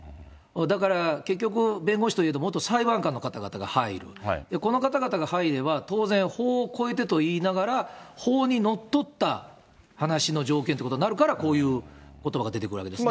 だから結局、弁護士といえど元裁判官の方々が入る、この方々が入れば、当然、法を超えてと言いながら、法にのっとった話の条件ということになるから、こういうことばが出てくるわけですね。